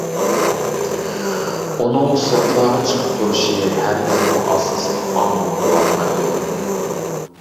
ئۇنىڭ سىرتلارغا چىقىپ تۇرۇشى ھەرگىزمۇ ئاساسلىق ئامىل بولالمايدۇ.